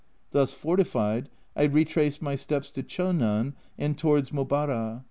Thus fortified I retraced my steps to Chonan, and towards Mobara.